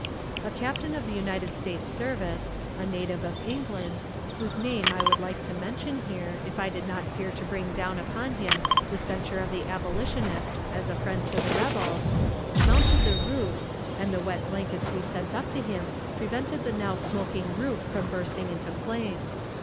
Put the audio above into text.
"A captain of the United States service, a native of England, whose name I would like to mention here, if I did not fear to bring down upon him the censure of the abolitionists as a friend to the rebels, mounted the roof, and the wet blankets we sent up to him prevented the now smoking roof from bursting into flames.